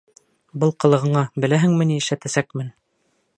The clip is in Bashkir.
Был ҡылығыңа, беләһеңме, ни эшләтәсәкмен?